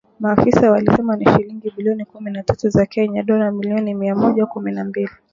Maafisa walisema ni shilingi bilioni kumi na tatu za Kenya (dola milioni mia moja kumi na mbili)